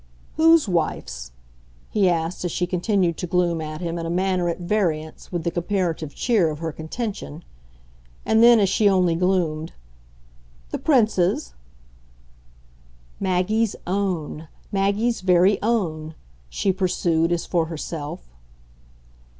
"Whose wife's?" he asked as she continued to gloom at him in a manner at variance with the comparative cheer of her contention. And then as she only gloomed: "The Prince's?" "Maggie's own Maggie's very own," she pursued as for herself.